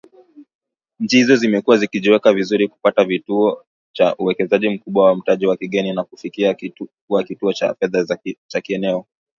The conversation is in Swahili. Nchi hizo zimekuwa zikijiweka vizuri kupata kivutio cha uwekezaji mkubwa wa mtaji wa kigeni na kufikia kuwa kituo cha fedha cha kieneo